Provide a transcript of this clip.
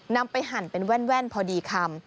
นำไปหั่นเป็นแว่นพอดีคำ